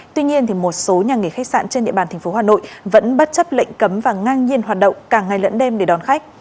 tuy nhiên một số nhà nghỉ khách sạn trên địa bàn tp hà nội vẫn bất chấp lệnh cấm và ngang nhiên hoạt động cả ngày lẫn đêm để đón khách